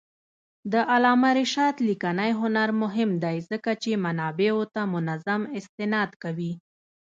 د علامه رشاد لیکنی هنر مهم دی ځکه چې منابعو ته منظم استناد کوي.